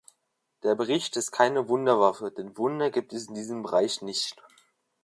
Der Bericht ist keine Wunderwaffe, denn Wunder gibt es in diesem Bereich nicht.